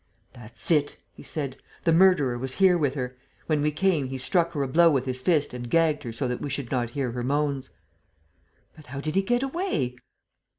"That's it," he said. "The murderer was here with her. When we came, he struck her a blow with his fist and gagged her so that we should not hear her moans." "But how did he get away?"